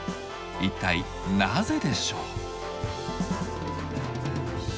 一体なぜでしょう？